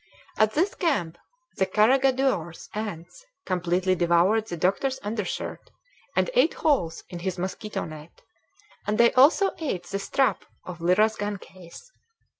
At this camp the carregadores ants completely devoured the doctor's undershirt, and ate holes in his mosquito net; and they also ate the strap of Lyra's gun case.